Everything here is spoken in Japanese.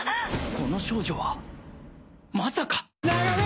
この少女はまさか！